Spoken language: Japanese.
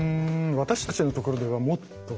私たちのところではもっと。